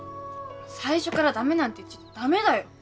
最初から駄目なんて言ってちゃ駄目だよ！